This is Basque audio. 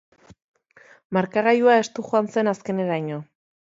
Markagailua estu joan zen azkeneraino.